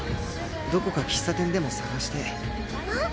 どこか喫茶店でも探してあっ！